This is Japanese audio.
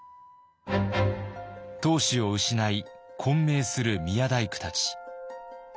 当主を失い混迷する宮大工たち。